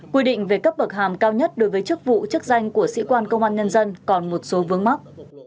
quy định về cấp bậc hàm cao nhất đối với chức vụ chức danh của sĩ quan công an nhân dân còn một số vướng mắt